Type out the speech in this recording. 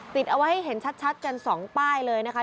ติดเอาไว้ให้เห็นชัดกัน๒ป้ายเลยนะคะ